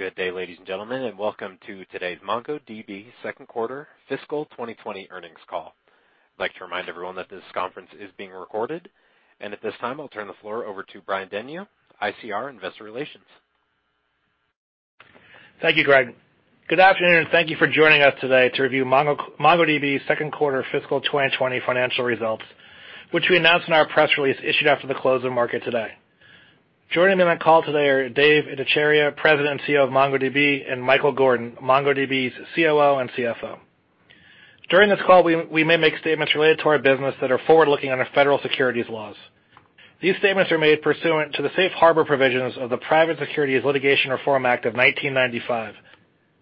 Good day, ladies and gentlemen, and welcome to today's MongoDB second quarter fiscal 2020 earnings call. I'd like to remind everyone that this conference is being recorded, and at this time, I'll turn the floor over to Brian Denyeau, ICR Investor Relations. Thank you, Greg. Good afternoon, and thank you for joining us today to review MongoDB's second quarter fiscal 2020 financial results, which we announced in our press release issued after the close of the market today. Joining me on the call today are Dev Ittycheria, President and CEO of MongoDB, and Michael Gordon, MongoDB's COO and CFO. During this call, we may make statements related to our business that are forward-looking under federal securities laws. These statements are made pursuant to the safe harbor provisions of the Private Securities Litigation Reform Act of 1995,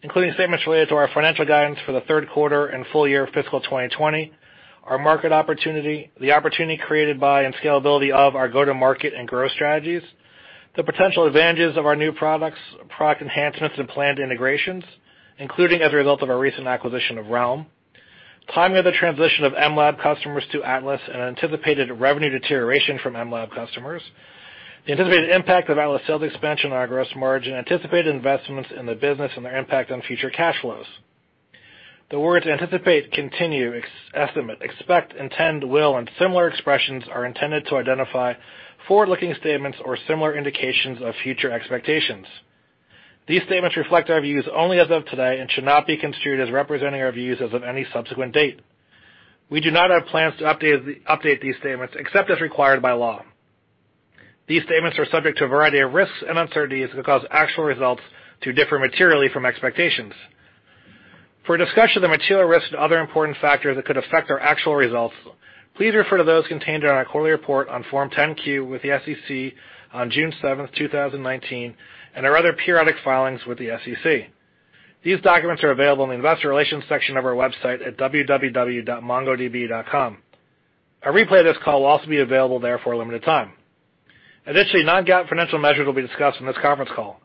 including statements related to our financial guidance for the third quarter and full year of fiscal 2020, our market opportunity, the opportunity created by and scalability of our go-to-market and growth strategies, the potential advantages of our new products, product enhancements and planned integrations, including as a result of our recent acquisition of Realm, timing of the transition of mLab customers to Atlas and anticipated revenue deterioration from mLab customers, the anticipated impact of Atlas sales expansion on our gross margin, anticipated investments in the business and their impact on future cash flows. The words anticipate, continue, estimate, expect, intend, will, and similar expressions are intended to identify forward-looking statements or similar indications of future expectations. These statements reflect our views only as of today and should not be construed as representing our views as of any subsequent date. We do not have plans to update these statements, except as required by law. These statements are subject to a variety of risks and uncertainties that could cause actual results to differ materially from expectations. For a discussion of the material risks and other important factors that could affect our actual results, please refer to those contained in our quarterly report on Form 10-Q with the SEC on June 7th, 2019, and our other periodic filings with the SEC. These documents are available in the investor relations section of our website at www.mongodb.com. A replay of this call will also be available there for a limited time. Additionally, non-GAAP financial measures will be discussed on this conference call.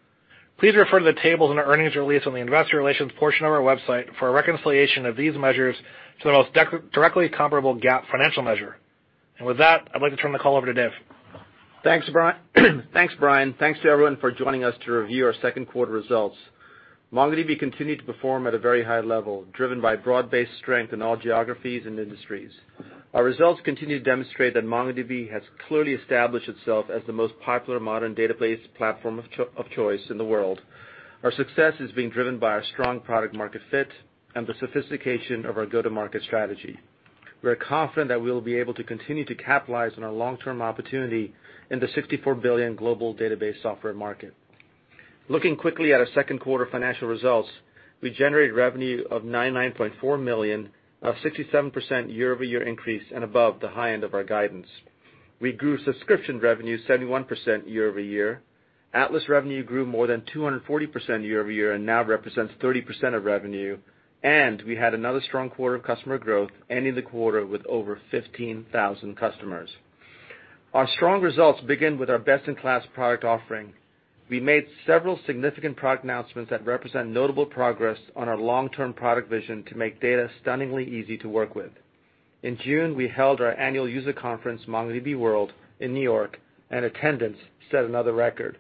Please refer to the tables in our earnings release on the investor relations portion of our website for a reconciliation of these measures to the most directly comparable GAAP financial measure. With that, I'd like to turn the call over to Dev. Thanks, Brian. Thanks to everyone for joining us to review our second quarter results. MongoDB continued to perform at a very high level, driven by broad-based strength in all geographies and industries. Our results continue to demonstrate that MongoDB has clearly established itself as the most popular modern database platform of choice in the world. Our success is being driven by our strong product-market fit and the sophistication of our go-to-market strategy. We're confident that we'll be able to continue to capitalize on our long-term opportunity in the $64 billion global database software market. Looking quickly at our second quarter financial results, we generated revenue of $99.4 million, a 67% year-over-year increase and above the high end of our guidance. We grew subscription revenue 71% year-over-year. Atlas revenue grew more than 240% year-over-year and now represents 30% of revenue. We had another strong quarter of customer growth, ending the quarter with over 15,000 customers. Our strong results begin with our best-in-class product offering. We made several significant product announcements that represent notable progress on our long-term product vision to make data stunningly easy to work with. In June, we held our annual user conference, MongoDB World, in New York, and attendance set another record.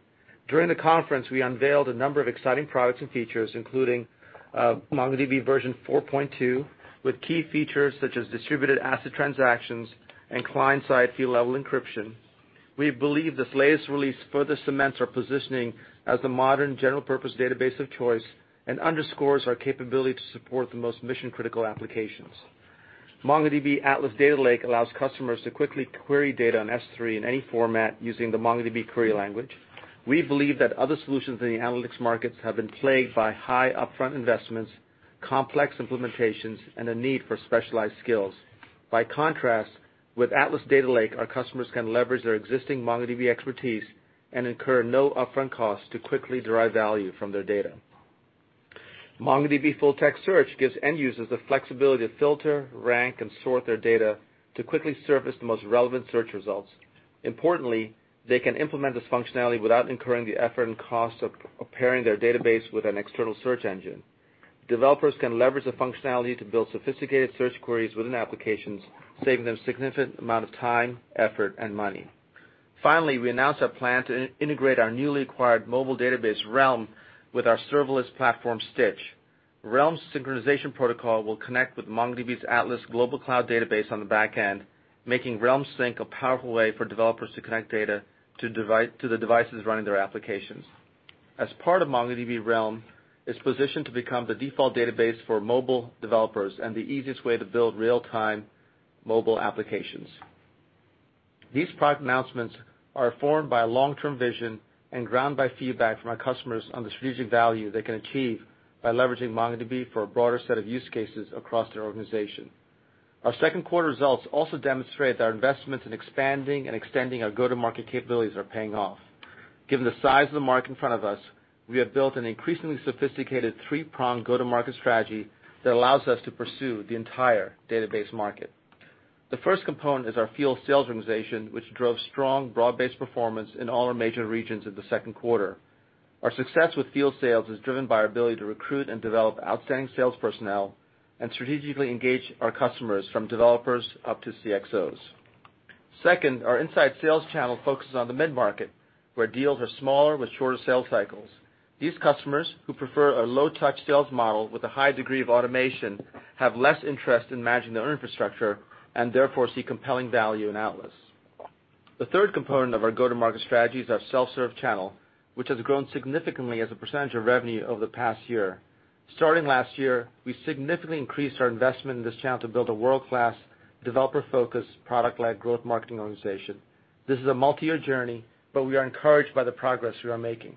During the conference, we unveiled a number of exciting products and features, including MongoDB 4.2 with key features such as distributed ACID transactions and client-side field-level encryption. We believe this latest release further cements our positioning as the modern general-purpose database of choice and underscores our capability to support the most mission-critical applications. MongoDB Atlas Data Lake allows customers to quickly query data on S3 in any format using the MongoDB query language. We believe that other solutions in the analytics markets have been plagued by high upfront investments, complex implementations, and a need for specialized skills. By contrast, with Atlas Data Lake, our customers can leverage their existing MongoDB expertise and incur no upfront cost to quickly derive value from their data. MongoDB Atlas Search gives end users the flexibility to filter, rank, and sort their data to quickly surface the most relevant search results. Importantly, they can implement this functionality without incurring the effort and cost of pairing their database with an external search engine. Developers can leverage the functionality to build sophisticated search queries within applications, saving them significant amount of time, effort, and money. Finally, we announced our plan to integrate our newly acquired mobile database, Realm, with our serverless platform, Stitch. Realm's synchronization protocol will connect with MongoDB's Atlas global cloud database on the back end, making Realm Sync a powerful way for developers to connect data to the devices running their applications. As part of MongoDB, Realm is positioned to become the default database for mobile developers and the easiest way to build real-time mobile applications. These product announcements are formed by a long-term vision and grounded by feedback from our customers on the strategic value they can achieve by leveraging MongoDB for a broader set of use cases across their organization. Our second quarter results also demonstrate that our investments in expanding and extending our go-to-market capabilities are paying off. Given the size of the market in front of us, we have built an increasingly sophisticated three-pronged go-to-market strategy that allows us to pursue the entire database market. The first component is our field sales organization, which drove strong broad-based performance in all our major regions in the second quarter. Our success with field sales is driven by our ability to recruit and develop outstanding sales personnel and strategically engage our customers, from developers up to CXOs. Second, our inside sales channel focuses on the mid-market, where deals are smaller with shorter sales cycles. These customers, who prefer a low-touch sales model with a high degree of automation, have less interest in managing their infrastructure, and therefore see compelling value in Atlas. The third component of our go-to-market strategy is our self-serve channel, which has grown significantly as a percentage of revenue over the past year. Starting last year, we significantly increased our investment in this channel to build a world-class, developer-focused, product-led growth marketing organization. This is a multi-year journey, but we are encouraged by the progress we are making.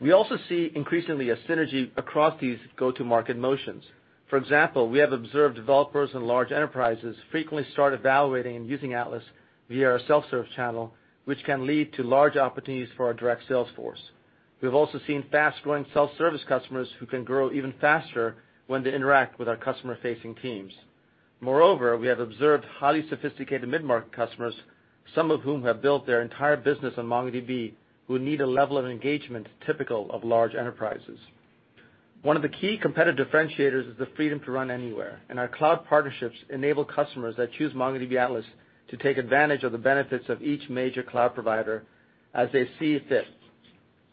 We also see increasingly a synergy across these go-to-market motions. For example, we have observed developers and large enterprises frequently start evaluating and using Atlas via our self-service channel, which can lead to large opportunities for our direct sales force. We've also seen fast-growing self-service customers who can grow even faster when they interact with our customer-facing teams. Moreover, we have observed highly sophisticated mid-market customers, some of whom have built their entire business on MongoDB, who need a level of engagement typical of large enterprises. One of the key competitive differentiators is the freedom to run anywhere, and our cloud partnerships enable customers that choose MongoDB Atlas to take advantage of the benefits of each major cloud provider as they see fit.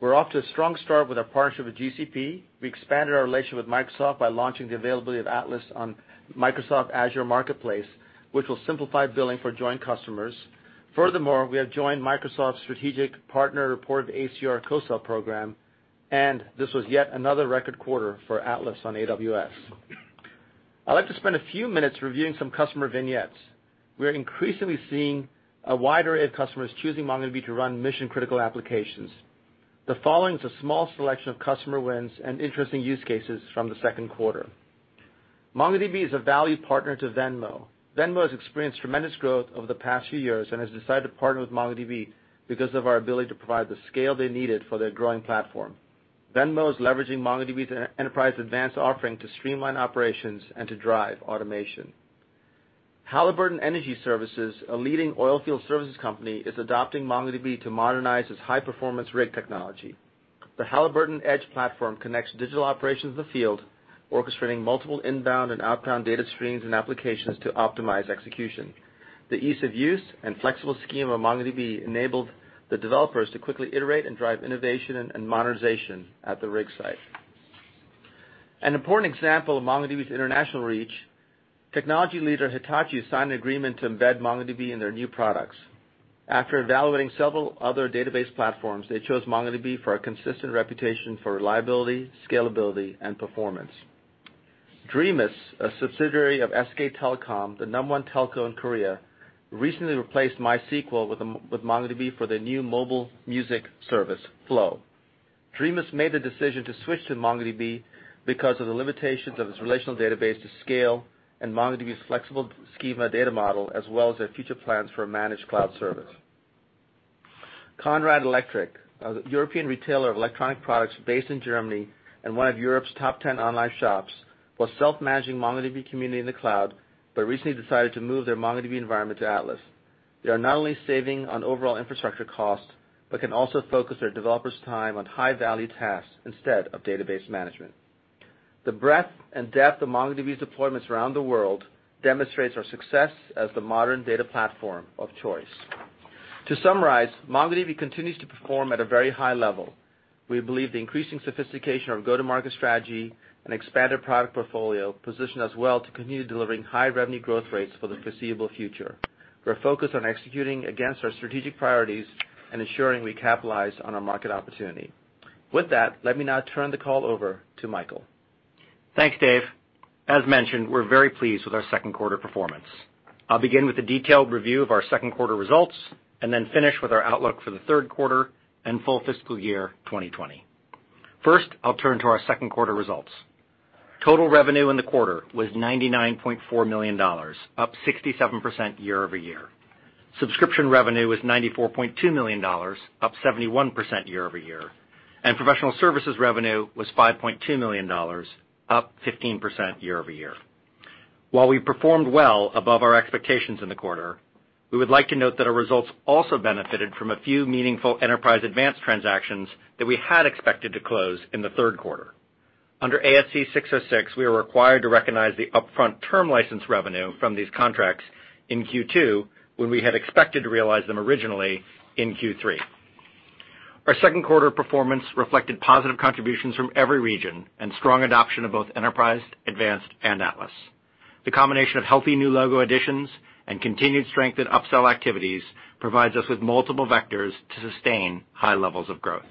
We're off to a strong start with our partnership with GCP. We expanded our relationship with Microsoft by launching the availability of Atlas on Microsoft Azure Marketplace, which will simplify billing for joint customers. We have joined Microsoft's strategic partner Azure co-sell program. This was yet another record quarter for Atlas on AWS. I'd like to spend a few minutes reviewing some customer vignettes. We are increasingly seeing a wide array of customers choosing MongoDB to run mission-critical applications. The following is a small selection of customer wins and interesting use cases from the second quarter. MongoDB is a value partner to Venmo. Venmo has experienced tremendous growth over the past few years and has decided to partner with MongoDB because of our ability to provide the scale they needed for their growing platform. Venmo is leveraging MongoDB's Enterprise Advanced offering to streamline operations and to drive automation. Halliburton Energy Services, a leading oil field services company, is adopting MongoDB to modernize its high-performance rig technology. The Halliburton Edge platform connects digital operations in the field, orchestrating multiple inbound and outbound data streams and applications to optimize execution. The ease of use and flexible schema of MongoDB enabled the developers to quickly iterate and drive innovation and modernization at the rig site. An important example of MongoDB's international reach, technology leader Hitachi signed an agreement to embed MongoDB in their new products. After evaluating several other database platforms, they chose MongoDB for our consistent reputation for reliability, scalability, and performance. Dreamus, a subsidiary of SK Telecom, the number one telco in Korea, recently replaced MySQL with MongoDB for their new mobile music service, Flow. Dreamus made the decision to switch to MongoDB because of the limitations of its relational database to scale and MongoDB's flexible schema data model, as well as their future plans for a managed cloud service. Conrad Electronic, a European retailer of electronic products based in Germany and one of Europe's top 10 online shops, was self-managing MongoDB Community in the cloud, but recently decided to move their MongoDB environment to Atlas. They are not only saving on overall infrastructure costs but can also focus their developers' time on high-value tasks instead of database management. The breadth and depth of MongoDB's deployments around the world demonstrates our success as the modern data platform of choice. To summarize, MongoDB continues to perform at a very high level. We believe the increasing sophistication of go-to-market strategy and expanded product portfolio position us well to continue delivering high revenue growth rates for the foreseeable future. We're focused on executing against our strategic priorities and ensuring we capitalize on our market opportunity. With that, let me now turn the call over to Michael. Thanks, Dev. As mentioned, we're very pleased with our second quarter performance. I'll begin with a detailed review of our second quarter results and then finish with our outlook for the third quarter and full fiscal year 2020. First, I'll turn to our second quarter results. Total revenue in the quarter was $99.4 million, up 67% year-over-year. Subscription revenue was $94.2 million, up 71% year-over-year. Professional services revenue was $5.2 million, up 15% year-over-year. While we performed well above our expectations in the quarter, we would like to note that our results also benefited from a few meaningful Enterprise Advanced transactions that we had expected to close in the third quarter. Under ASC 606, we are required to recognize the upfront term license revenue from these contracts in Q2, when we had expected to realize them originally in Q3. Our second quarter performance reflected positive contributions from every region and strong adoption of both Enterprise Advanced and Atlas. The combination of healthy new logo additions and continued strength in upsell activities provides us with multiple vectors to sustain high levels of growth.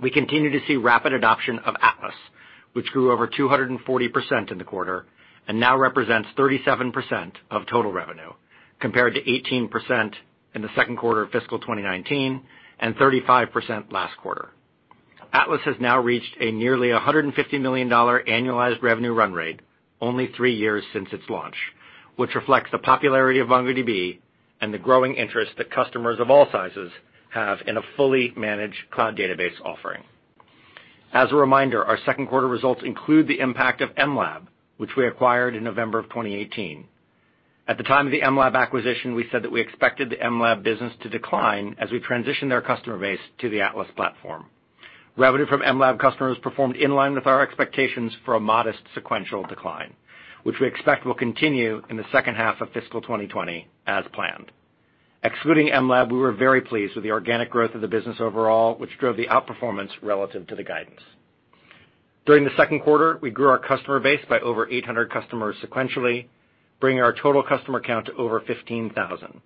We continue to see rapid adoption of Atlas, which grew over 240% in the quarter and now represents 37% of total revenue, compared to 18% in the second quarter of fiscal 2019 and 35% last quarter. Atlas has now reached a nearly $150 million annualized revenue run rate only three years since its launch, which reflects the popularity of MongoDB and the growing interest that customers of all sizes have in a fully managed cloud database offering. As a reminder, our second quarter results include the impact of mLab, which we acquired in November of 2018. At the time of the mLab acquisition, we said that we expected the mLab business to decline as we transition their customer base to the Atlas platform. Revenue from mLab customers performed in line with our expectations for a modest sequential decline, which we expect will continue in the second half of fiscal 2020 as planned. Excluding mLab, we were very pleased with the organic growth of the business overall, which drove the outperformance relative to the guidance. During the second quarter, we grew our customer base by over 800 customers sequentially, bringing our total customer count to over 15,000,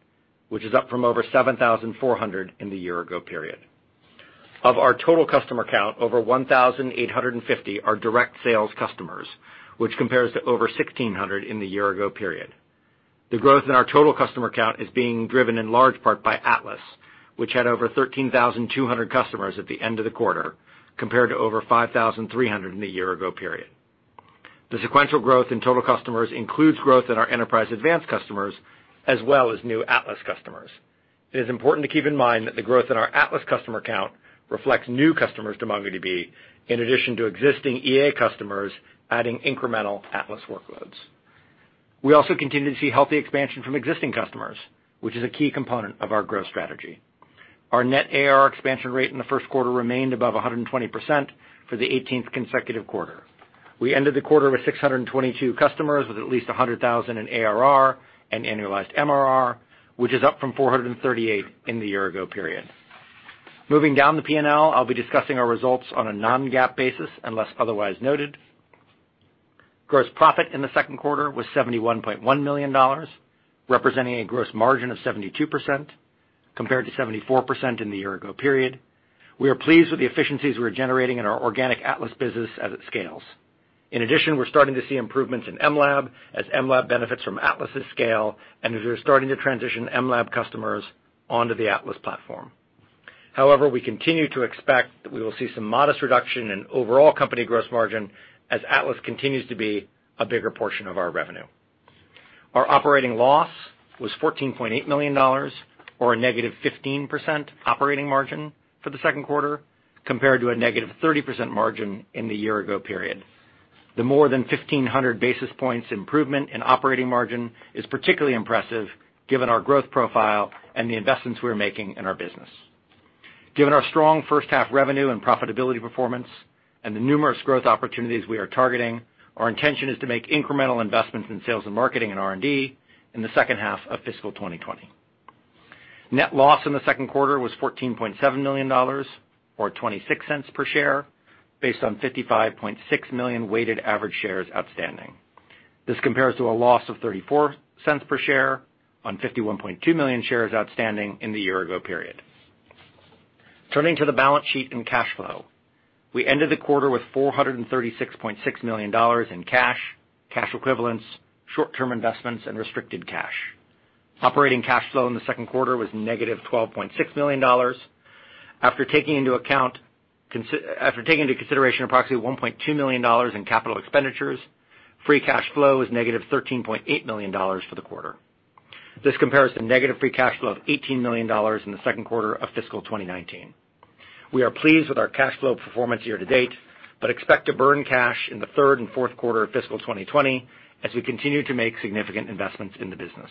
which is up from over 7,400 in the year ago period. Of our total customer count, over 1,850 are direct sales customers, which compares to over 1,600 in the year ago period. The growth in our total customer count is being driven in large part by Atlas, which had over 13,200 customers at the end of the quarter, compared to over 5,300 in the year-ago period. The sequential growth in total customers includes growth in our Enterprise Advanced customers, as well as new Atlas customers. It is important to keep in mind that the growth in our Atlas customer count reflects new customers to MongoDB, in addition to existing EA customers adding incremental Atlas workloads. We also continue to see healthy expansion from existing customers, which is a key component of our growth strategy. Our net ARR expansion rate in the first quarter remained above 120% for the 18th consecutive quarter. We ended the quarter with 622 customers with at least $100,000 in ARR and annualized MRR, which is up from 438 in the year-ago period. Moving down the P&L, I'll be discussing our results on a non-GAAP basis unless otherwise noted. Gross profit in the second quarter was $71.1 million, representing a gross margin of 72%, compared to 74% in the year-ago period. We are pleased with the efficiencies we're generating in our organic Atlas business as it scales. In addition, we're starting to see improvements in mLab as mLab benefits from Atlas's scale and as we're starting to transition mLab customers onto the Atlas platform. We continue to expect that we will see some modest reduction in overall company gross margin as Atlas continues to be a bigger portion of our revenue. Our operating loss was $14.8 million, or a negative 15% operating margin for the second quarter, compared to a negative 30% margin in the year-ago period. The more than 1,500 basis points improvement in operating margin is particularly impressive given our growth profile and the investments we are making in our business. Given our strong first half revenue and profitability performance and the numerous growth opportunities we are targeting, our intention is to make incremental investments in sales and marketing and R&D in the second half of fiscal 2020. Net loss in the second quarter was $14.7 million, or $0.26 per share, based on 55.6 million weighted average shares outstanding. This compares to a loss of $0.34 per share on 51.2 million shares outstanding in the year ago period. Turning to the balance sheet and cash flow. We ended the quarter with $436.6 million in cash equivalents, short-term investments and restricted cash. Operating cash flow in the second quarter was negative $12.6 million. After taking into consideration approximately $1.2 million in capital expenditures, free cash flow is negative $13.8 million for the quarter. This compares to negative free cash flow of $18 million in the second quarter of fiscal 2019. We are pleased with our cash flow performance year to date, but expect to burn cash in the third and fourth quarter of fiscal 2020 as we continue to make significant investments in the business.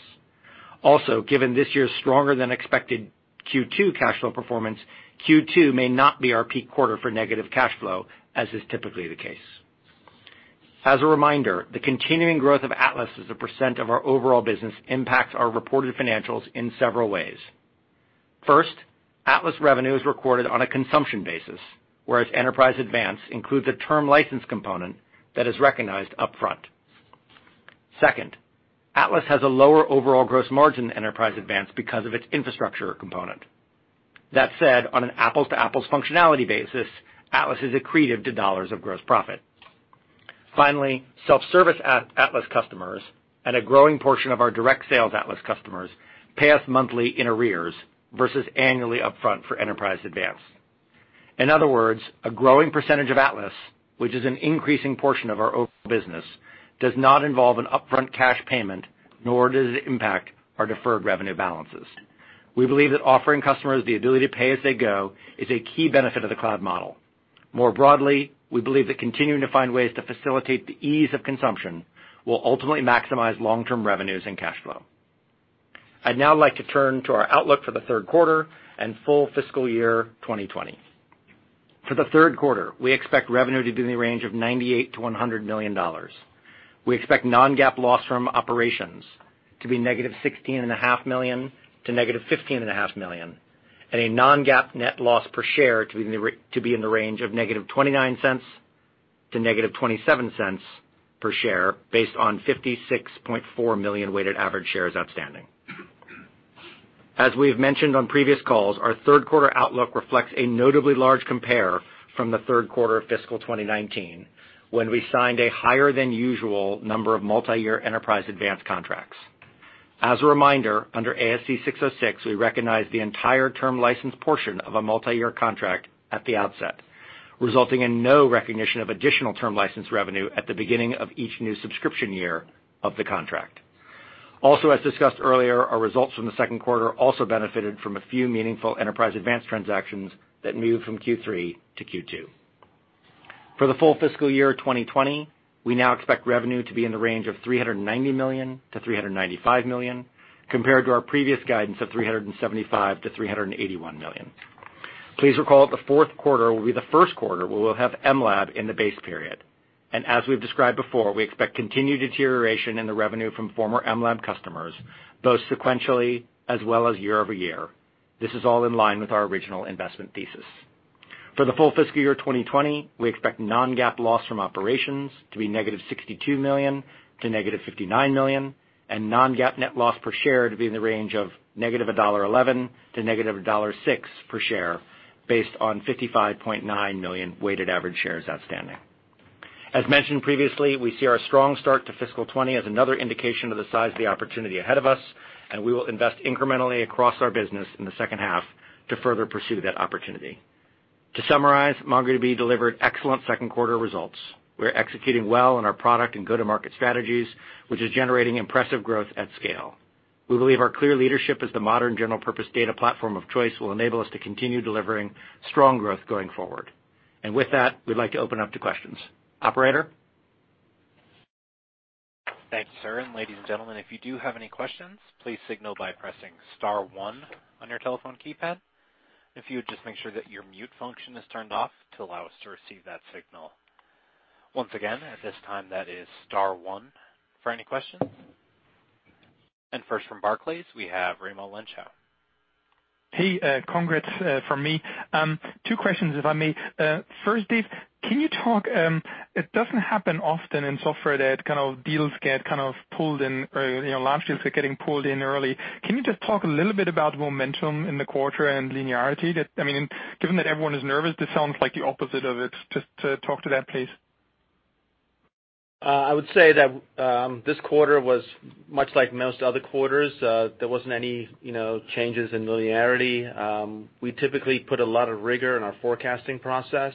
Also, given this year's stronger than expected Q2 cash flow performance, Q2 may not be our peak quarter for negative cash flow, as is typically the case. As a reminder, the continuing growth of Atlas as a % of our overall business impacts our reported financials in several ways. First, Atlas revenue is recorded on a consumption basis, whereas Enterprise Advanced includes a term license component that is recognized upfront. Second, Atlas has a lower overall gross margin than Enterprise Advanced because of its infrastructure component. That said, on an apples-to-apples functionality basis, Atlas is accretive to dollars of gross profit. Finally, self-service Atlas customers and a growing portion of our direct sales Atlas customers pay us monthly in arrears versus annually upfront for Enterprise Advanced. In other words, a growing percentage of Atlas, which is an increasing portion of our overall business, does not involve an upfront cash payment, nor does it impact our deferred revenue balances. We believe that offering customers the ability to pay as they go is a key benefit of the cloud model. More broadly, we believe that continuing to find ways to facilitate the ease of consumption will ultimately maximize long-term revenues and cash flow. I'd now like to turn to our outlook for the third quarter and full fiscal year 2020. For the third quarter, we expect revenue to be in the range of $98 million-$100 million. We expect non-GAAP loss from operations to be negative $16.5 million to negative $15.5 million, and a non-GAAP net loss per share to be in the range of negative $0.29 to negative $0.27 per share based on 56.4 million weighted average shares outstanding. As we have mentioned on previous calls, our third quarter outlook reflects a notably large compare from the third quarter of fiscal 2019, when we signed a higher than usual number of multi-year Enterprise Advanced contracts. As a reminder, under ASC 606, we recognize the entire term license portion of a multi-year contract at the outset, resulting in no recognition of additional term license revenue at the beginning of each new subscription year of the contract. As discussed earlier, our results from the second quarter also benefited from a few meaningful Enterprise Advanced transactions that moved from Q3 to Q2. For the full fiscal year 2020, we now expect revenue to be in the range of $390 million-$395 million, compared to our previous guidance of $375 million-$381 million. Please recall that the fourth quarter will be the first quarter where we'll have mLab in the base period. As we've described before, we expect continued deterioration in the revenue from former mLab customers, both sequentially as well as year-over-year. This is all in line with our original investment thesis. For the full fiscal year 2020, we expect non-GAAP loss from operations to be -$62 million to -$59 million, and non-GAAP net loss per share to be in the range of -$1.11 to -$1.06 per share, based on 55.9 million weighted average shares outstanding. As mentioned previously, we see our strong start to fiscal 2020 as another indication of the size of the opportunity ahead of us, and we will invest incrementally across our business in the second half to further pursue that opportunity. To summarize, MongoDB delivered excellent second quarter results. We're executing well on our product and go-to-market strategies, which is generating impressive growth at scale. We believe our clear leadership as the modern general-purpose data platform of choice will enable us to continue delivering strong growth going forward. With that, we'd like to open up to questions. Operator? Thank you, sir. Ladies and gentlemen, if you do have any questions, please signal by pressing star one on your telephone keypad. If you would just make sure that your mute function is turned off to allow us to receive that signal. Once again, at this time, that is star one for any questions. First from Barclays, we have Raimo Lenschow. Hey, congrats, from me. Two questions, if I may. First, Dev, it doesn't happen often in software that deals get pulled in or launch dates are getting pulled in early. Can you just talk a little bit about momentum in the quarter and linearity? Given that everyone is nervous, this sounds like the opposite of it. Just talk to that, please. I would say that this quarter was much like most other quarters. There wasn't any changes in linearity. We typically put a lot of rigor in our forecasting process.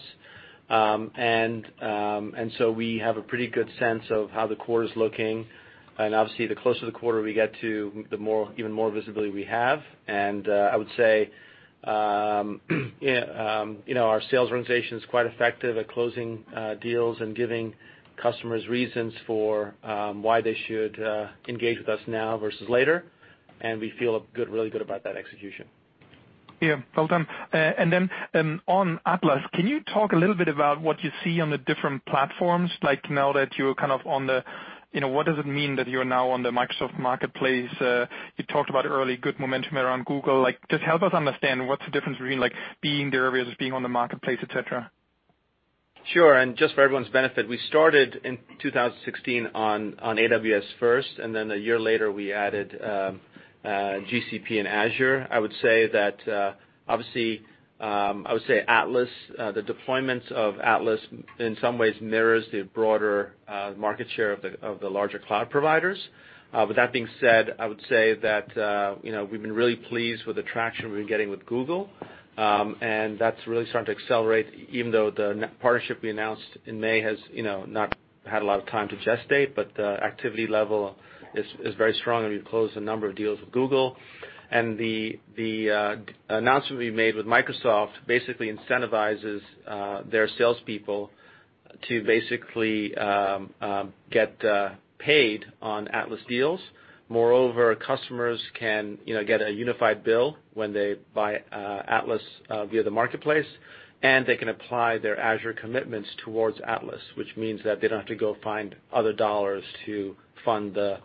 We have a pretty good sense of how the quarter's looking. Obviously, the closer the quarter we get to, the even more visibility we have. I would say, our sales organization's quite effective at closing deals and giving customers reasons for why they should engage with us now versus later. We feel really good about that execution. Yeah. Well done. On Atlas, can you talk a little bit about what you see on the different platforms? Now that you're on the, what does it mean that you're now on the Microsoft marketplace? You talked about early good momentum around Google. Just help us understand what's the difference between being there versus being on the marketplace, et cetera. Sure. Just for everyone's benefit, we started in 2016 on AWS first, then a year later we added GCP and Azure. I would say that obviously Atlas, the deployments of Atlas, in some ways mirrors the broader market share of the larger cloud providers. With that being said, I would say that we've been really pleased with the traction we've been getting with Google. That's really starting to accelerate, even though the partnership we announced in May has not had a lot of time to gestate, but the activity level is very strong, and we've closed a number of deals with Google. The announcement we made with Microsoft basically incentivizes their salespeople to basically get paid on Atlas deals. Moreover, customers can get a unified bill when they buy Atlas via the marketplace, and they can apply their Azure commitments towards Atlas, which means that they don't have to go find other dollars to fund the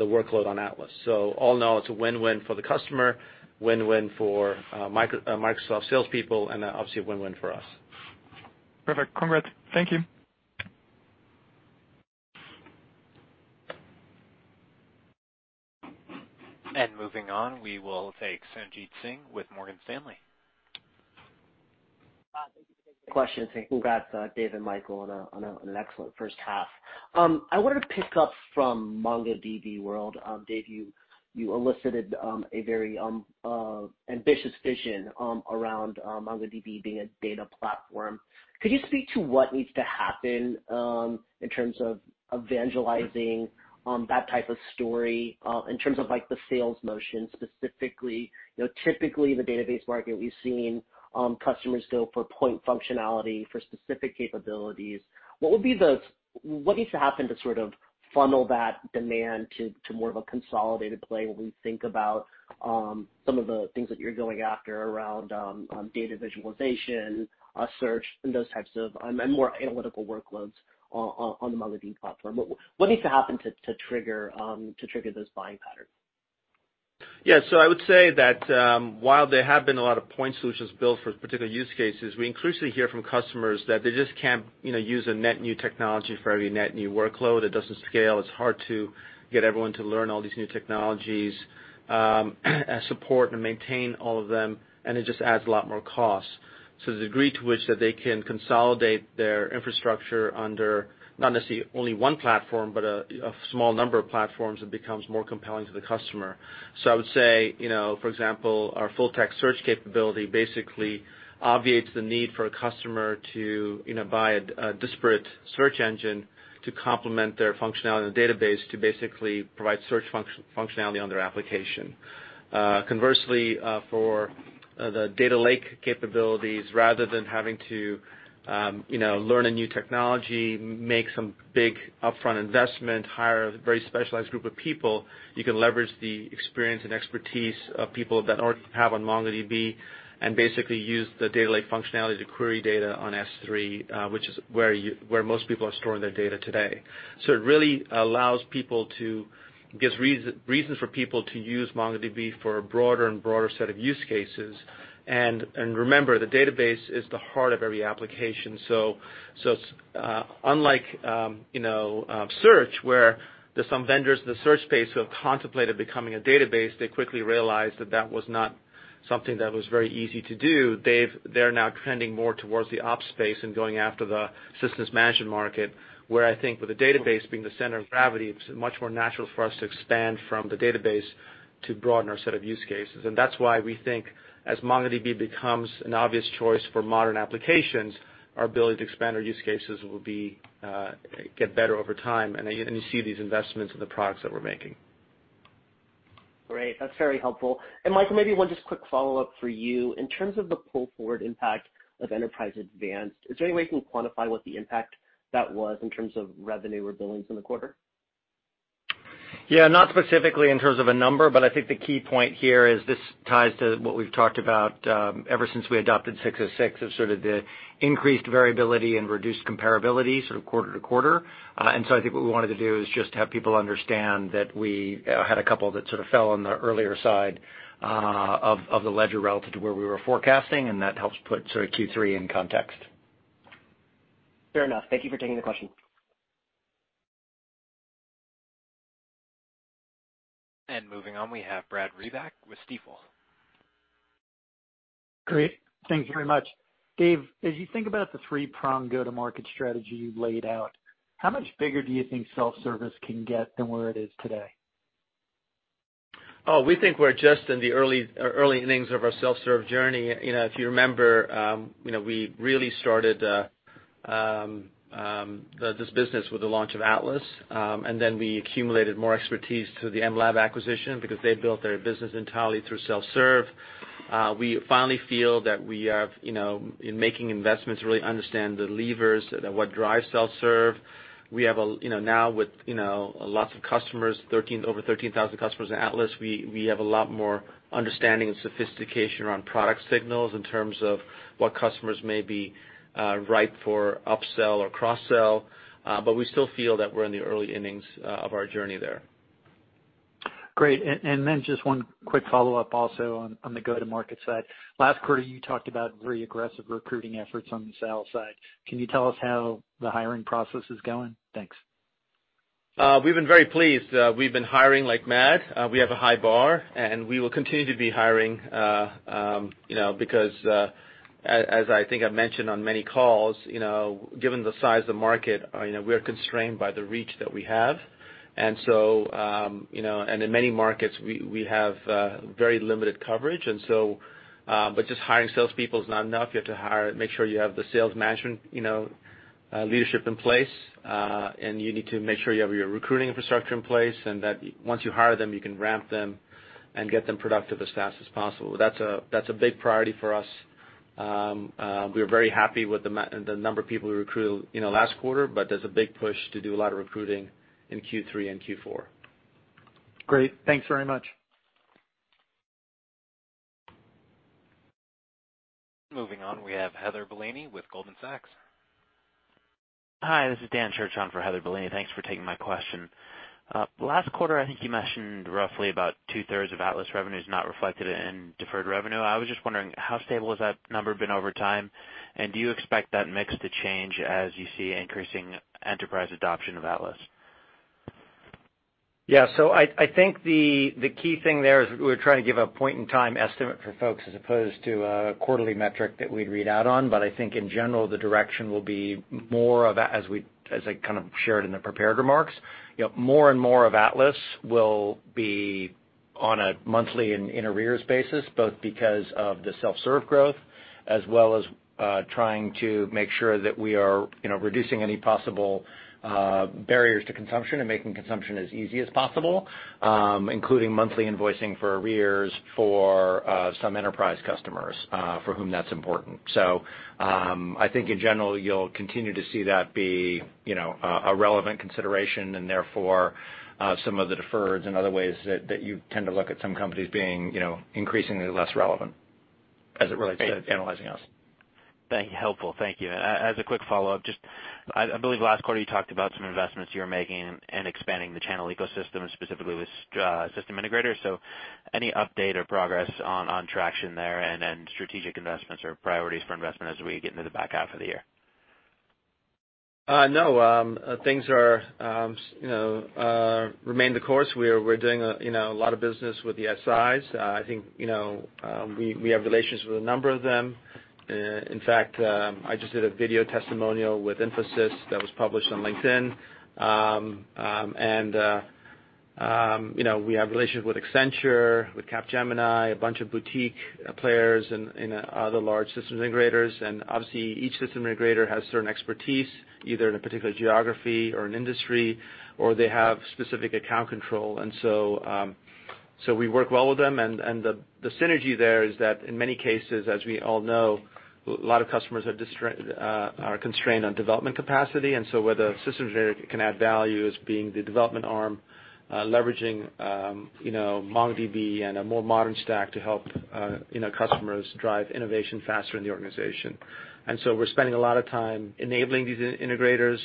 workload on Atlas. All in all, it's a win-win for the customer, win-win for Microsoft salespeople, and obviously a win-win for us. Perfect. Congrats. Thank you. Moving on, we will take Sanjit Singh with Morgan Stanley. Thank you. Question, congrats, Dev and Michael, on an excellent first half. I wanted to pick up from MongoDB World. Dev, you elicited a very ambitious vision around MongoDB being a data platform. Could you speak to what needs to happen in terms of evangelizing that type of story in terms of the sales motion specifically? Typically, in the database market, we've seen customers go for point functionality for specific capabilities. What needs to happen to sort of funnel that demand to more of a consolidated play when we think about some of the things that you're going after around data visualization, search, and more analytical workloads on the MongoDB platform? What needs to happen to trigger those buying patterns? Yeah. I would say that while there have been a lot of point solutions built for particular use cases, we increasingly hear from customers that they just can't use a net new technology for every net new workload. It doesn't scale. It's hard to get everyone to learn all these new technologies, support and maintain all of them, and it just adds a lot more cost. The degree to which that they can consolidate their infrastructure under, not necessarily only one platform, but a small number of platforms, it becomes more compelling to the customer. I would say, for example, our full-text search capability basically obviates the need for a customer to buy a disparate search engine to complement their functionality in the database to basically provide search functionality on their application. Conversely, for the data lake capabilities, rather than having to learn a new technology, make some big upfront investment, hire a very specialized group of people. You can leverage the experience and expertise of people that already have on MongoDB and basically use the data lake functionality to query data on S3, which is where most people are storing their data today. It really gives reasons for people to use MongoDB for a broader and broader set of use cases. Remember, the database is the heart of every application. Unlike search, where there's some vendors in the search space who have contemplated becoming a database, they quickly realized that that was not something that was very easy to do. They're now trending more towards the ops space and going after the systems management market, where I think with the database being the center of gravity, it's much more natural for us to expand from the database to broaden our set of use cases. That's why we think as MongoDB becomes an obvious choice for modern applications, our ability to expand our use cases will get better over time, and you see these investments in the products that we're making. Great. That's very helpful. Michael, maybe one just quick follow-up for you. In terms of the pull-forward impact of Enterprise Advanced, is there any way you can quantify what the impact that was in terms of revenue or billings in the quarter? Yeah, not specifically in terms of a number, but I think the key point here is this ties to what we've talked about ever since we adopted ASC 606, is sort of the increased variability and reduced comparability sort of quarter to quarter. I think what we wanted to do is just have people understand that we had a couple that sort of fell on the earlier side of the ledger relative to where we were forecasting, and that helps put sort of Q3 in context. Fair enough. Thank you for taking the question. Moving on, we have Brad Reback with Stifel. Great. Thank you very much. Dev, as you think about the three-pronged go-to-market strategy you've laid out, how much bigger do you think self-service can get than where it is today? We think we're just in the early innings of our self-serve journey. If you remember, we really started this business with the launch of Atlas, and then we accumulated more expertise through the mLab acquisition because they built their business entirely through self-serve. We finally feel that we have, in making investments, really understand the levers, what drives self-serve. We have now with lots of customers, over 13,000 customers in Atlas. We have a lot more understanding and sophistication around product signals in terms of what customers may be ripe for upsell or cross-sell. We still feel that we're in the early innings of our journey there. Great. Just one quick follow-up also on the go-to-market side. Last quarter, you talked about very aggressive recruiting efforts on the sales side. Can you tell us how the hiring process is going? Thanks. We've been very pleased. We've been hiring like mad. We have a high bar, and we will continue to be hiring, because as I think I've mentioned on many calls, given the size of the market, we're constrained by the reach that we have. In many markets, we have very limited coverage. Just hiring salespeople is not enough. You have to make sure you have the sales management leadership in place, and you need to make sure you have your recruiting infrastructure in place, and that once you hire them, you can ramp them and get them productive as fast as possible. That's a big priority for us. We are very happy with the number of people we recruited last quarter, but there's a big push to do a lot of recruiting in Q3 and Q4. Great. Thanks very much. Moving on, we have Heather Bellini with Goldman Sachs. Hi, this is Dan Church on for Heather Bellini. Thanks for taking my question. Last quarter, I think you mentioned roughly about two-thirds of Atlas revenue is not reflected in deferred revenue. I was just wondering, how stable has that number been over time, and do you expect that mix to change as you see increasing enterprise adoption of Atlas? Yeah. I think the key thing there is we're trying to give a point-in-time estimate for folks as opposed to a quarterly metric that we'd read out on. I think in general, the direction will be more of, as I kind of shared in the prepared remarks, more and more of Atlas will be on a monthly and in arrears basis, both because of the self-serve growth, as well as trying to make sure that we are reducing any possible barriers to consumption and making consumption as easy as possible, including monthly invoicing for arrears for some enterprise customers for whom that's important. I think in general, you'll continue to see that be a relevant consideration and therefore some of the deferreds and other ways that you tend to look at some companies being increasingly less relevant as it relates to analyzing us. Helpful. Thank you. As a quick follow-up, I believe last quarter you talked about some investments you were making in expanding the channel ecosystem, specifically with system integrators. Any update or progress on traction there and strategic investments or priorities for investment as we get into the back half of the year? No, things remain the course. We're doing a lot of business with the SIs. I think we have relationships with a number of them. In fact, I just did a video testimonial with Infosys that was published on LinkedIn. We have relationships with Accenture, with Capgemini, a bunch of boutique players, and other large systems integrators. Obviously each system integrator has certain expertise, either in a particular geography or an industry, or they have specific account control. We work well with them, and the synergy there is that in many cases, as we all know, a lot of customers are constrained on development capacity. Where the systems integrator can add value is being the development arm, leveraging MongoDB and a more modern stack to help customers drive innovation faster in the organization. We're spending a lot of time enabling these integrators,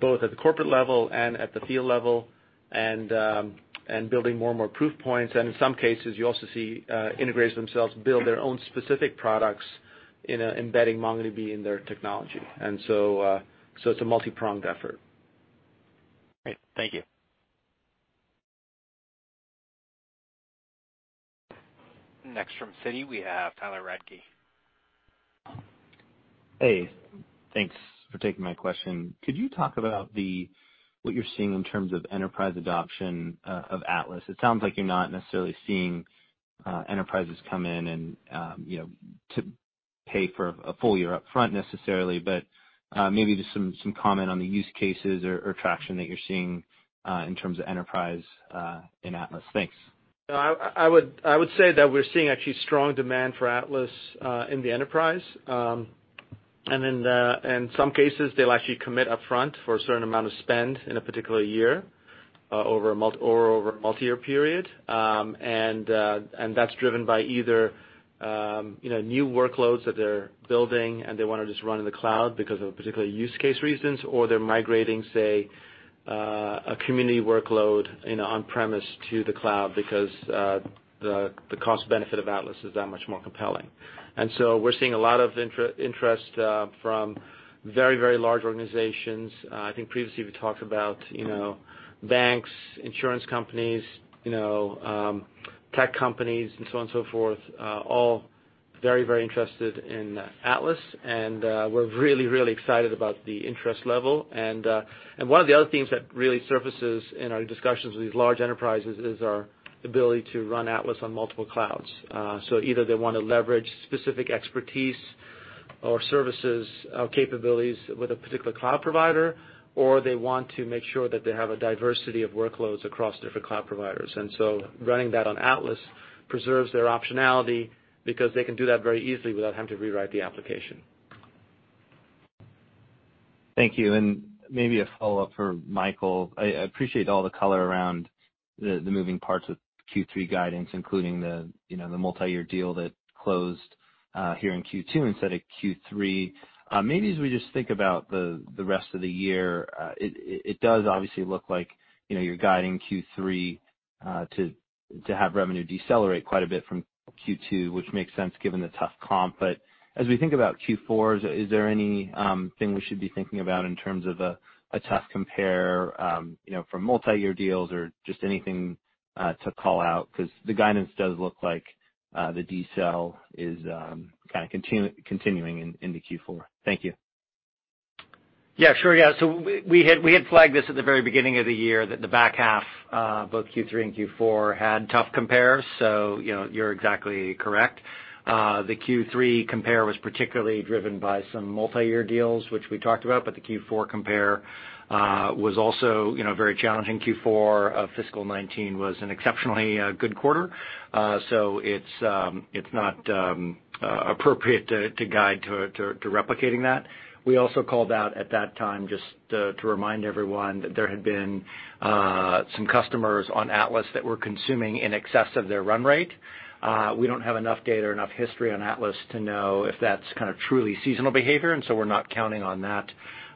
both at the corporate level and at the field level, and building more and more proof points. In some cases, you also see integrators themselves build their own specific products embedding MongoDB in their technology. It's a multi-pronged effort. Great. Thank you. Next from Citi, we have Tyler Radke. Hey, thanks for taking my question. Could you talk about what you're seeing in terms of enterprise adoption of Atlas? It sounds like you're not necessarily seeing enterprises come in to pay for a full year upfront, necessarily, but maybe just some comment on the use cases or traction that you're seeing in terms of enterprise in Atlas. Thanks. I would say that we're seeing actually strong demand for Atlas in the enterprise. In some cases, they'll actually commit upfront for a certain amount of spend in a particular year or over a multi-year period. That's driven by either new workloads that they're building and they want to just run in the cloud because of particular use case reasons, or they're migrating, say, a Community workload on-premise to the cloud because the cost benefit of Atlas is that much more compelling. We're seeing a lot of interest from very large organizations. I think previously we talked about banks, insurance companies, tech companies, and so on and so forth, all very interested in Atlas, and we're really excited about the interest level. One of the other themes that really surfaces in our discussions with these large enterprises is our ability to run Atlas on multiple clouds. Either they want to leverage specific expertise or services or capabilities with a particular cloud provider, or they want to make sure that they have a diversity of workloads across different cloud providers. Running that on Atlas preserves their optionality because they can do that very easily without having to rewrite the application. Thank you. Maybe a follow-up for Michael. I appreciate all the color around the moving parts of Q3 guidance, including the multi-year deal that closed here in Q2 instead of Q3. Maybe as we just think about the rest of the year, it does obviously look like you're guiding Q3 to have revenue decelerate quite a bit from Q2, which makes sense given the tough comp. As we think about Q4, is there anything we should be thinking about in terms of a tough compare from multi-year deals or just anything to call out? Because the guidance does look like the decel is kind of continuing into Q4. Thank you. Yeah, sure. We had flagged this at the very beginning of the year that the back half, both Q3 and Q4, had tough compares. You're exactly correct. The Q3 compare was particularly driven by some multi-year deals, which we talked about, but the Q4 compare was also very challenging. Q4 of fiscal 2019 was an exceptionally good quarter. It's not appropriate to guide to replicating that. We also called out at that time just to remind everyone that there had been some customers on Atlas that were consuming in excess of their run rate. We don't have enough data or enough history on Atlas to know if that's kind of truly seasonal behavior, and so we're not counting on that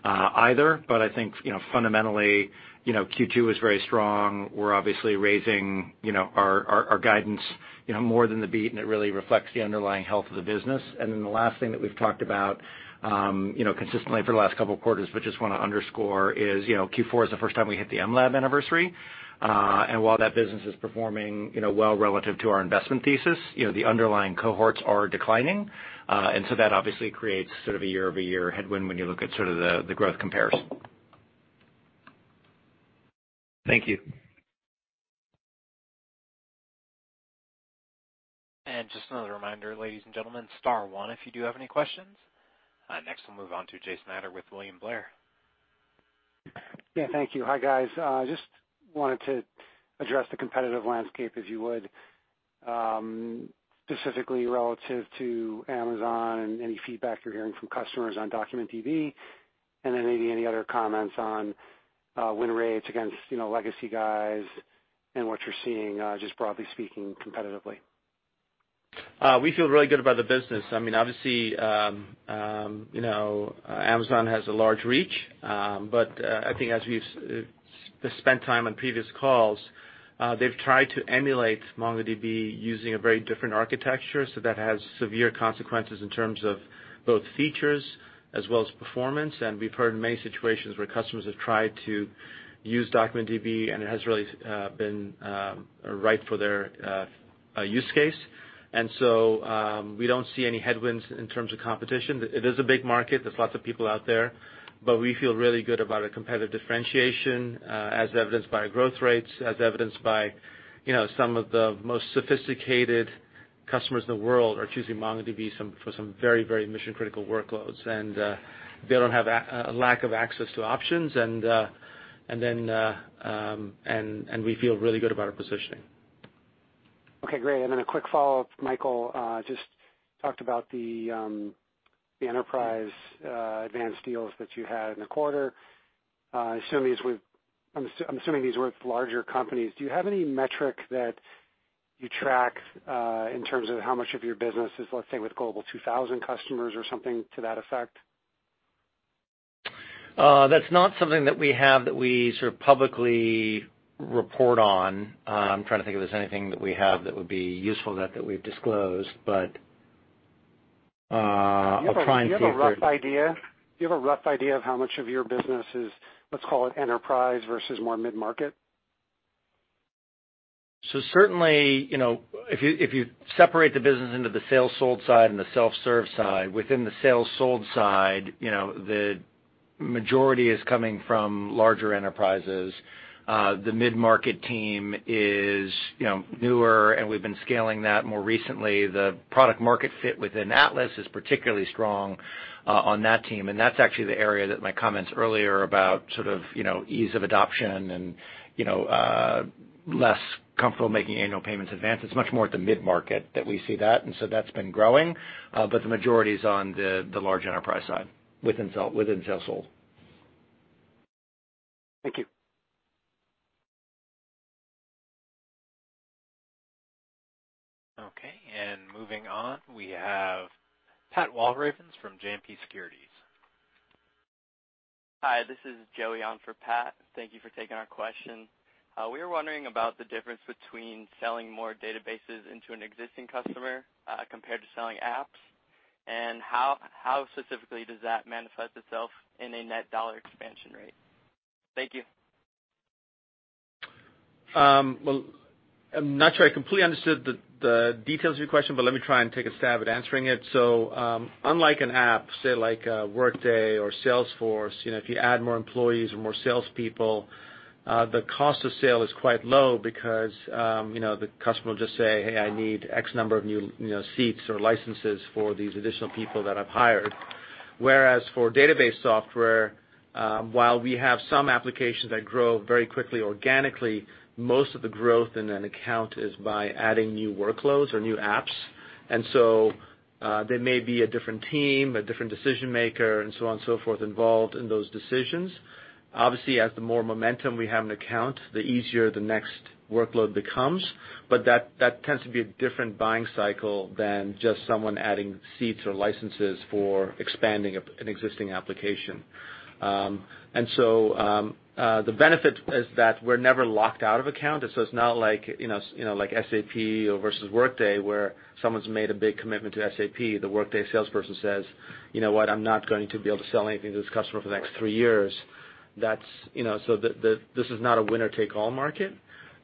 either. I think fundamentally, Q2 was very strong. We're obviously raising our guidance more than the beat, and it really reflects the underlying health of the business. The last thing that we've talked about consistently for the last couple of quarters, but just want to underscore, is Q4 is the first time we hit the mLab anniversary. While that business is performing well relative to our investment thesis, the underlying cohorts are declining. That obviously creates sort of a year-over-year headwind when you look at sort of the growth comparison. Thank you. Just another reminder, ladies and gentlemen, star one if you do have any questions. Next, we'll move on to Jason Ader with William Blair. Yeah, thank you. Hi, guys. Just wanted to address the competitive landscape, if you would, specifically relative to Amazon and any feedback you're hearing from customers on DocumentDB, and then maybe any other comments on win rates against legacy guys and what you're seeing, just broadly speaking, competitively. We feel really good about the business. Obviously, Amazon has a large reach, but I think as we've spent time on previous calls, they've tried to emulate MongoDB using a very different architecture, so that has severe consequences in terms of both features as well as performance. We've heard many situations where customers have tried to use DocumentDB, and it hasn't really been right for their use case. We don't see any headwinds in terms of competition. It is a big market. There's lots of people out there, but we feel really good about our competitive differentiation, as evidenced by growth rates, as evidenced by some of the most sophisticated customers in the world are choosing MongoDB for some very mission-critical workloads, and they don't have a lack of access to options, and we feel really good about our positioning. Okay, great. A quick follow-up. Michael just talked about the Enterprise Advanced deals that you had in the quarter. I'm assuming these were with larger companies. Do you have any metric that you track in terms of how much of your business is, let's say, with Global 2000 customers or something to that effect? That's not something that we have that we sort of publicly report on. I'm trying to think if there's anything that we have that would be useful that we've disclosed, but I'll try and see if there. Do you have a rough idea of how much of your business is, let's call it enterprise versus more mid-market? Certainly, if you separate the business into the sales sold side and the self-serve side, within the sales sold side, the majority is coming from larger enterprises. The mid-market team is newer, and we've been scaling that more recently. The product market fit within Atlas is particularly strong on that team, and that's actually the area that my comments earlier about sort of ease of adoption and less comfortable making annual payments advance. It's much more at the mid-market that we see that, and so that's been growing. The majority is on the large enterprise side within self-sold. Thank you. Okay, moving on, we have Pat Walravens from JMP Securities. Hi, this is Joey on for Pat. Thank you for taking our question. We were wondering about the difference between selling more databases into an existing customer compared to selling apps, and how specifically does that manifest itself in a net dollar expansion rate? Thank you. Well, I'm not sure I completely understood the details of your question, let me try and take a stab at answering it. Unlike an app, say like a Workday or Salesforce, if you add more employees or more salespeople, the cost of sale is quite low because the customer will just say, "Hey, I need X number of new seats or licenses for these additional people that I've hired." Whereas for database software, while we have some applications that grow very quickly organically, most of the growth in an account is by adding new workloads or new apps. There may be a different team, a different decision-maker, and so on and so forth, involved in those decisions. Obviously, as the more momentum we have in account, the easier the next workload becomes. That tends to be a different buying cycle than just someone adding seats or licenses for expanding an existing application. The benefit is that we're never locked out of account. It's not like SAP versus Workday, where someone's made a big commitment to SAP. The Workday salesperson says, "You know what. I'm not going to be able to sell anything to this customer for the next three years." This is not a winner-take-all market.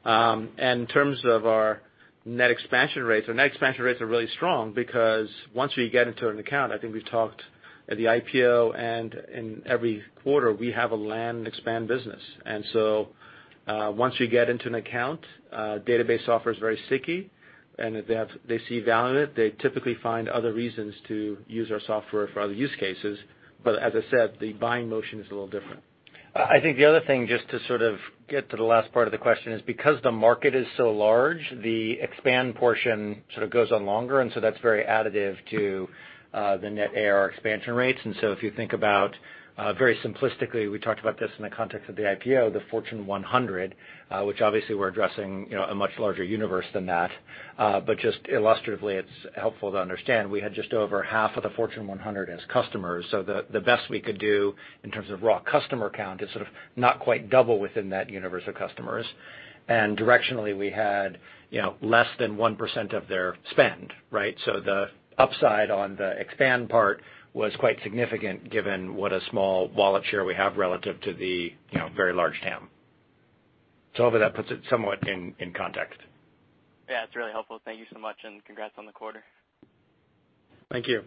In terms of our net expansion rates, our net expansion rates are really strong because once we get into an account, I think we've talked at the IPO and in every quarter, we have a land expand business. Once we get into an account, database software is very sticky, and if they see value in it, they typically find other reasons to use our software for other use cases. As I said, the buying motion is a little different. I think the other thing, just to sort of get to the last part of the question, is because the market is so large, the expand portion sort of goes on longer. That's very additive to the net ARR expansion rates. If you think about very simplistically, we talked about this in the context of the IPO, the Fortune 100, which obviously we're addressing a much larger universe than that. Just illustratively, it's helpful to understand we had just over half of the Fortune 100 as customers. The best we could do in terms of raw customer count is sort of not quite double within that universe of customers. Directionally, we had less than 1% of their spend, right? The upside on the expand part was quite significant given what a small wallet share we have relative to the very large TAM. Hopefully that puts it somewhat in context. Yeah, that's really helpful. Thank you so much, and congrats on the quarter. Thank you.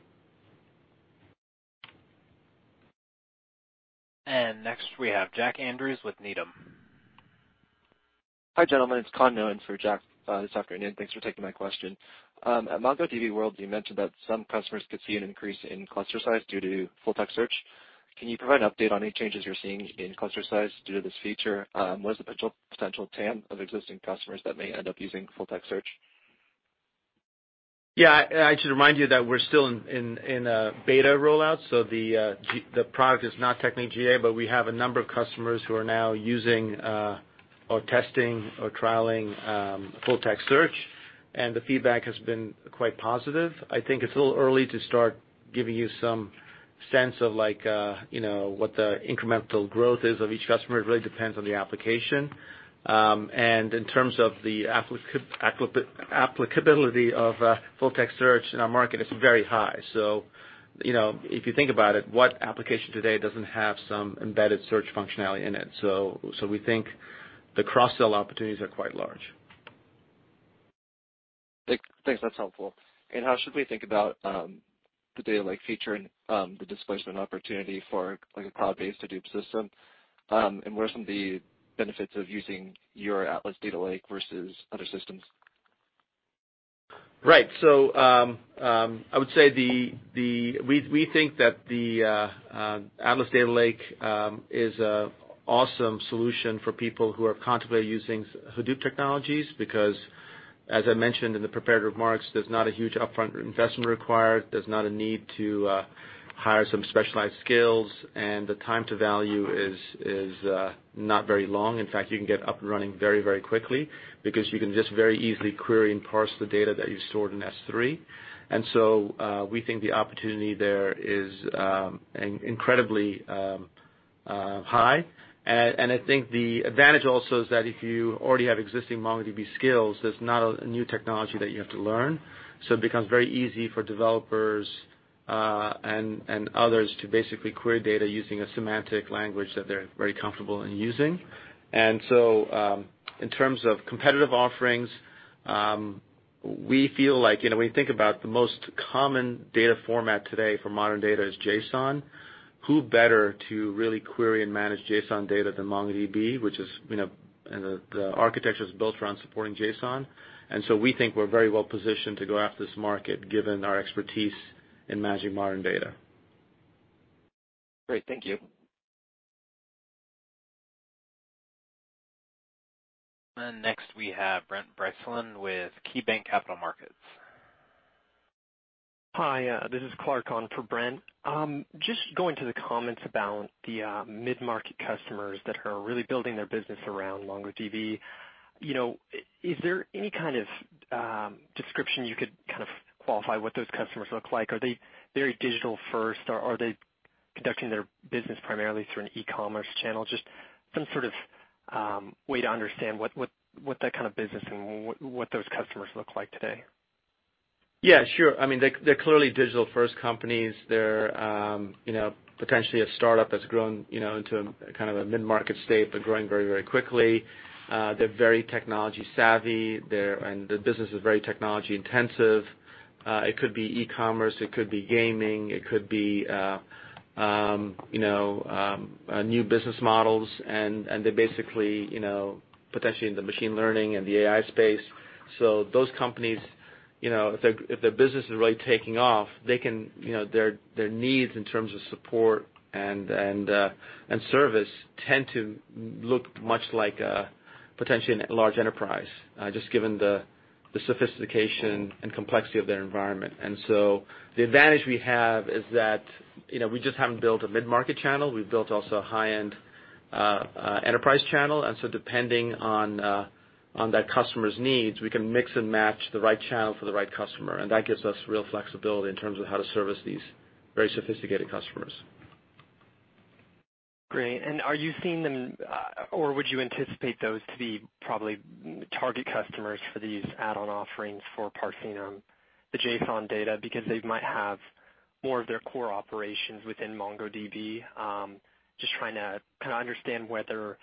Next we have Jack Andrews with Needham. Hi, gentlemen. It's Conn Nolan for Jack this afternoon. Thanks for taking my question. At MongoDB World, you mentioned that some customers could see an increase in cluster size due to full-text search. Can you provide an update on any changes you're seeing in cluster size due to this feature? What is the potential TAM of existing customers that may end up using full-text search? Yeah. I should remind you that we're still in a beta rollout, so the product is not technically GA, but we have a number of customers who are now using or testing or trialing full-text search, and the feedback has been quite positive. I think it's a little early to start giving you some sense of what the incremental growth is of each customer. In terms of the applicability of full-text search in our market, it's very high. If you think about it, what application today doesn't have some embedded search functionality in it? We think the cross-sell opportunities are quite large. Thanks. That's helpful. How should we think about the Data Lake feature and the displacement opportunity for a cloud-based Hadoop system. What are some of the benefits of using your Atlas Data Lake versus other systems? Right. I would say we think that the Atlas Data Lake is a awesome solution for people who are contemplating using Hadoop technologies because, as I mentioned in the prepared remarks, there's not a huge upfront investment required. There's not a need to hire some specialized skills, and the time to value is not very long. In fact, you can get up and running very quickly because you can just very easily query and parse the data that you've stored in S3. We think the opportunity there is incredibly high. I think the advantage also is that if you already have existing MongoDB skills, there's not a new technology that you have to learn. It becomes very easy for developers and others to basically query data using a semantic language that they're very comfortable in using. In terms of competitive offerings, we feel like, when you think about the most common data format today for modern data is JSON, who better to really query and manage JSON data than MongoDB, which the architecture is built around supporting JSON. We think we're very well positioned to go after this market, given our expertise in managing modern data. Great. Thank you. Next we have Brent Thill with KeyBanc Capital Markets. Hi, this is Clark on for Brent. Just going to the comments about the mid-market customers that are really building their business around MongoDB. Is there any kind of description you could qualify what those customers look like? Are they very digital first, or are they conducting their business primarily through an e-commerce channel? Just some sort of way to understand what that kind of business and what those customers look like today. Yeah, sure. They're clearly digital first companies. They're potentially a startup that's grown into a mid-market state, growing very quickly. They're very technology savvy. The business is very technology intensive. It could be e-commerce, it could be gaming, it could be new business models, they're basically potentially in the machine learning and the AI space. Those companies, if their business is really taking off, their needs in terms of support and service tend to look much like a potentially large enterprise, just given the sophistication and complexity of their environment. The advantage we have is that we just haven't built a mid-market channel. We've built also a high-end enterprise channel. Depending on that customer's needs, we can mix and match the right channel for the right customer. That gives us real flexibility in terms of how to service these very sophisticated customers. Great. Are you seeing them, or would you anticipate those to be probably target customers for these add-on offerings for parsing the JSON data because they might have more of their core operations within MongoDB? Just trying to kind of understand whether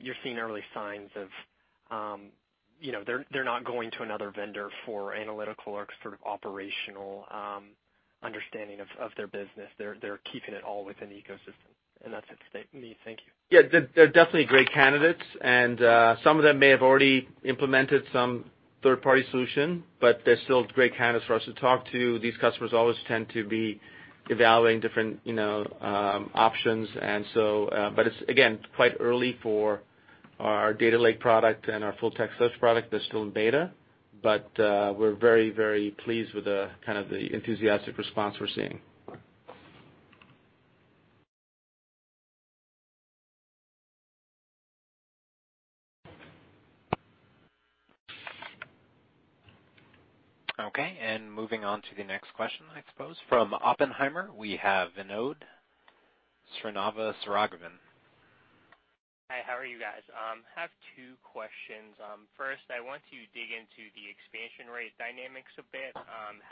you're seeing early signs of they're not going to another vendor for analytical or sort of operational understanding of their business. They're keeping it all within the ecosystem. That's it for me. Thank you. Yeah, they're definitely great candidates, and some of them may have already implemented some third-party solution, but they're still great candidates for us to talk to. These customers always tend to be evaluating different options. It's, again, quite early for our data lake product and our full-text search product. They're still in beta. We're very pleased with the kind of the enthusiastic response we're seeing. Okay, moving on to the next question, I suppose from Oppenheimer, we have Ittai Kidron. Hi, how are you guys? I have two questions. First, I want to dig into the expansion rate dynamics a bit.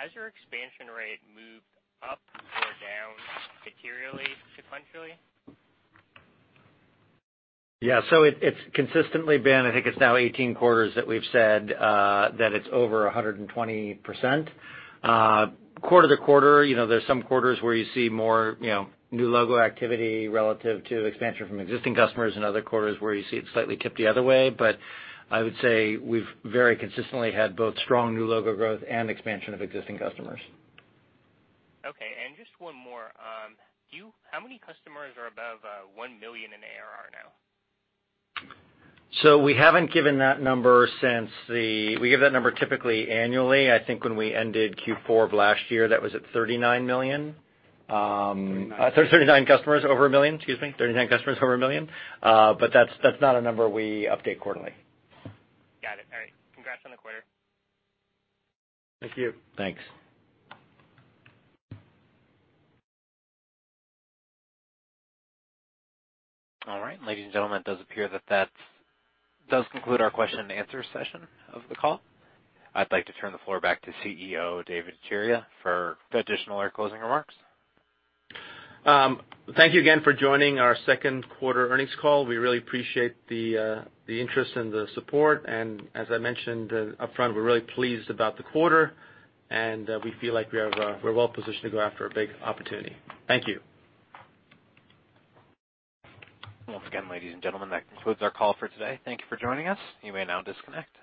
Has your expansion rate moved up or down materially, sequentially? Yeah. It's consistently been, I think it's now 18 quarters that we've said, that it's over 120%. Quarter to quarter, there's some quarters where you see more new logo activity relative to expansion from existing customers and other quarters where you see it slightly tipped the other way. I would say we've very consistently had both strong new logo growth and expansion of existing customers. Okay. Just one more. How many customers are above $1 million in ARR now? We haven't given that number. We give that number typically annually. I think when we ended Q4 of last year, that was at $39 million. 39. 39 customers over $1 million, excuse me, 39 customers over $1 million. That's not a number we update quarterly. Got it. All right. Congrats on the quarter. Thank you. Thanks. All right. Ladies and gentlemen, it does appear that does conclude our question and answer session of the call. I'd like to turn the floor back to CEO, Dev Ittycheria, for additional or closing remarks. Thank you again for joining our second quarter earnings call. We really appreciate the interest and the support. As I mentioned upfront, we're really pleased about the quarter, and we feel like we're well positioned to go after a big opportunity. Thank you. Once again, ladies and gentlemen, that concludes our call for today. Thank you for joining us. You may now disconnect.